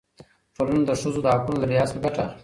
ټولنه د ښځو د حقونو له رعایت څخه ګټه اخلي.